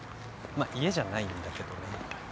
まっ家じゃないんだけどね。